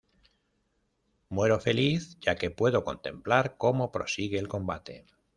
Muero feliz, ya que puedo contemplar cómo prosigue el combate.